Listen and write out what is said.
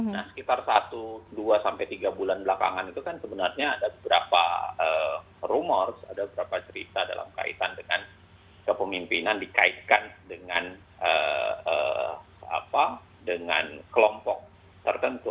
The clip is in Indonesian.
nah sekitar satu dua sampai tiga bulan belakangan itu kan sebenarnya ada beberapa rumor ada beberapa cerita dalam kaitan dengan kepemimpinan dikaitkan dengan kelompok tertentu